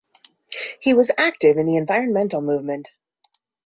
He was active in the environmental movement.